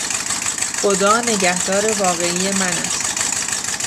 خدا نگهدار واقعی من است.